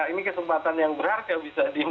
ini kesempatan yang berharga bisa dimanfaatkan